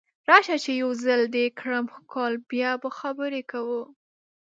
راشه چې یو ځل دې کړم ښکل بیا به خبرې کوو